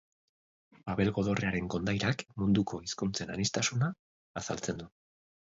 Babelgo dorrearen kondairak munduko hizkuntzen aniztasuna azaltzen du.